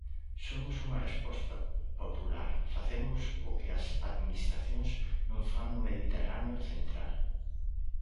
Somos unha resposta popular, facemos o que as administracións non fan no Mediterráneo Central.